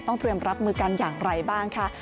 เตรียมรับมือกันอย่างไรบ้างค่ะ